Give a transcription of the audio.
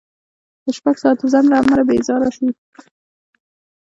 د شپږ ساعته ځنډ له امله بېزاره شوو.